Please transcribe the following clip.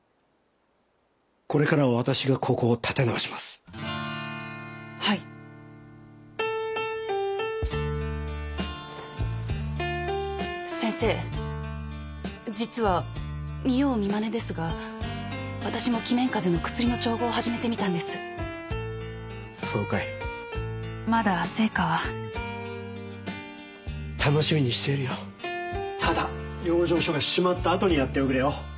これからは私がここを立て直しますはい先生実は見よう見まねですが私も鬼面風邪の薬の調合を始めてみたんですそうかいまだ成果は楽しみにしているよただ養生所が閉まったあとにやっておくれよ